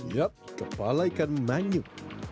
yap kepala ikan manyuk